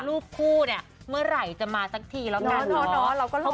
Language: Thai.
รูปคู่เนี่ยเมื่อไหร่จะมาสักทีแล้วกัน